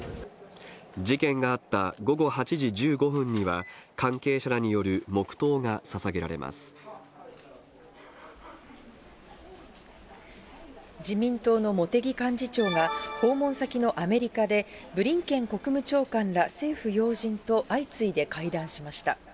事件があった午後８時１５分には、関係者らによる黙とうがさ自民党の茂木幹事長が、訪問先のアメリカで、ブリンケン国務長官ら政府要人と相次いで会談しました。